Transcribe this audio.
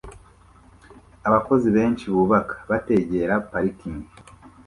Abakozi benshi bubaka bategera parikingi